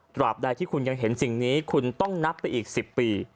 บใดที่คุณยังเห็นสิ่งนี้คุณต้องนับไปอีก๑๐ปี